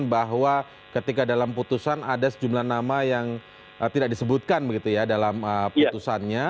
bahwa ketika dalam putusan ada sejumlah nama yang tidak disebutkan begitu ya dalam putusannya